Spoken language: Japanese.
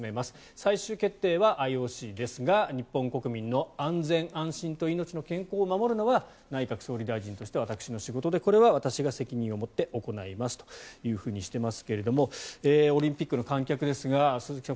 最終決定はＩＯＣですが日本国民の安全安心と命の健康を守るのは内閣総理大臣として、私の仕事でこれは私が責任を持って行いますというふうにしてますがオリンピックの観客ですが鈴木さん